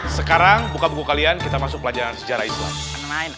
sekarang buka buku kalian kita masuk pelajaran sejarah islam